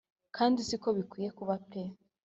Kandi si ko bikwiye kuba pe